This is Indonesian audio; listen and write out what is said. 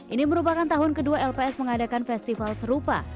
ini merupakan tahun kedua lps mengadakan festival serupa